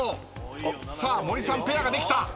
さあ森さんペアができた。